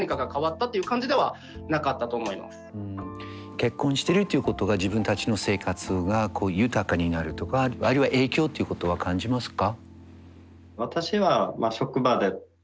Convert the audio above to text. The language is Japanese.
結婚してるっていうことが自分たちの生活が豊かになるとかあるいは影響っていうことは感じますか？